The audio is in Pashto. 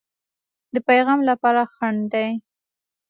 د پیغام لپاره خنډ دی.